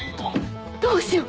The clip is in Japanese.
どうしよう